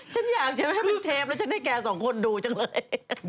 ฉันอยากจะให้เป็นเทปแล้วฉันได้แกสองคนดูจังเลย